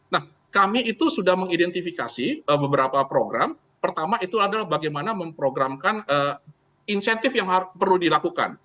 nah kami itu sudah mengidentifikasi beberapa program pertama itu adalah bagaimana memprogramkan insentif yang perlu dilakukan